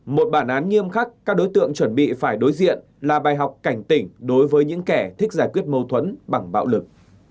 một bản án nghiêm khắc các đối tượng chuẩn bị phải đối diện là bài học cảnh tỉnh đối với những kẻ thích giải quyết mâu thuẫn bằng bạo lực